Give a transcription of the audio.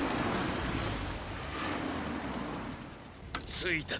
着いたぞ。